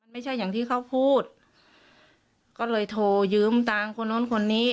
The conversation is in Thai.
ไม่ใช่อย่างที่เขาพูดก็เลยโทรยืมตังค์คนนู้นคนนี้